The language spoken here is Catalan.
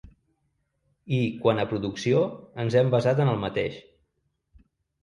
I, quant a producció, ens hem basat en el mateix.